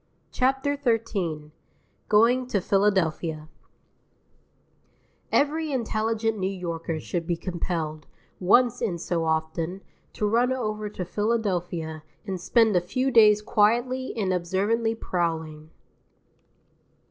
GOING TO PHILADELPHIA I Every intelligent New Yorker should be compelled, once in so often, to run over to Philadelphia and spend a few days quietly and observantly prowling.